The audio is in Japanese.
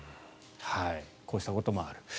こうしたこともある。